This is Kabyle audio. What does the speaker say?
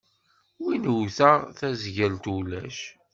Win wwteɣ, tazgelt ulac.